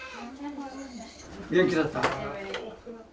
元気だった？